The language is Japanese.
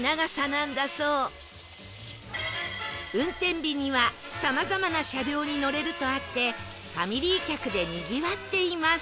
運転日にはさまざまな車両に乗れるとあってファミリー客でにぎわっています